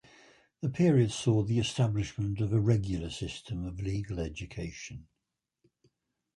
The period saw the establishment of a regular system of legal education.